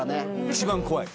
一番怖い。